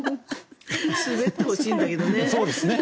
滑ってほしいんだけどね。